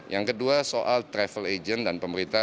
yang kedua soal travel agent dan pemerintah